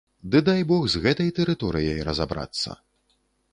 Ды дай бог з гэтай тэрыторыяй разабрацца!